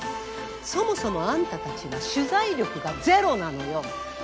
そもそもあんたたちは取材力がゼロなのよ！